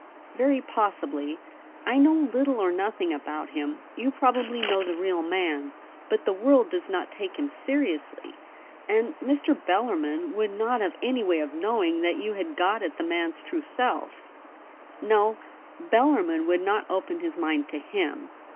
'Very possibly; I know little or nothing about him. You probably know the real man. But the world does not take him seriously ; and Mr. Bellarmin would not have any way of knowing that you had got at the man's true self No ; Bellarmin would not VOL. I. :: 66 THE REBEL ROSE. open his mind to him.